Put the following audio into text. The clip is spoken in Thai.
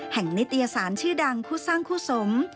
นิตยสารชื่อดังคู่สร้างคู่สม